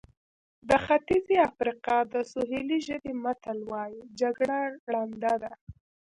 د ختیځې افریقا د سوهیلي ژبې متل وایي جګړه ړنده ده.